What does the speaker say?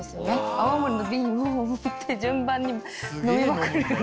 泡盛の瓶を持って順番に飲みまくるやつ。